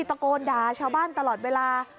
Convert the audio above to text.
ตะโกนด่าชาวบ้านตลอดเวลา